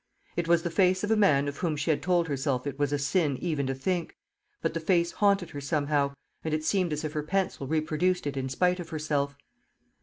It was the face of a man of whom she had told herself it was a sin even to think; but the face haunted her somehow, and it seemed as if her pencil reproduced it in spite of herself.